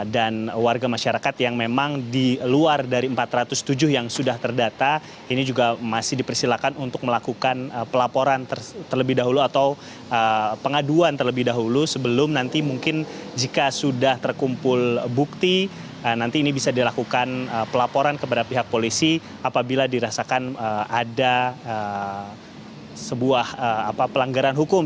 dan warga masyarakat yang memang di luar dari empat ratus tujuh yang sudah terdata ini juga masih dipersilakan untuk melakukan pelaporan terlebih dahulu atau pengaduan terlebih dahulu sebelum nanti mungkin jika sudah terkumpul bukti nanti ini bisa dilakukan pelaporan kepada pihak polisi apabila dirasakan ada sebuah pelanggaran hukum